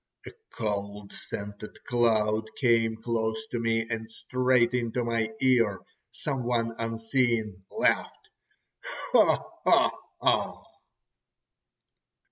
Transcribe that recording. A cold scented cloud came close to me, and straight into my ear some one unseen laughed: "Ho! ho!